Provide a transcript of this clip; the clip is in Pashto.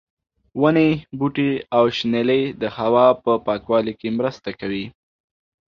ونې، بوټي او شنېلی د هوا په پاکوالي کې مرسته کوي.